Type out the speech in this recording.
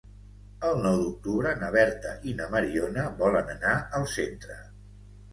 El nou d'octubre na Berta i na Mariona volen anar al teatre.